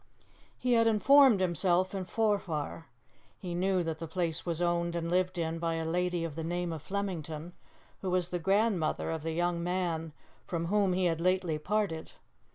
He had informed himself in Forfar. He knew that the place was owned and lived in by a lady of the name of Flemington, who was the grandmother of the young man from whom he had lately parted.